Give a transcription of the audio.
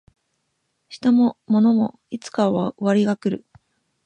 人も物もいつかは終わりが来る